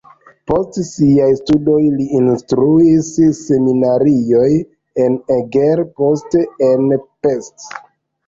Post siaj studoj li instruis en seminarioj en Eger, poste en Pest.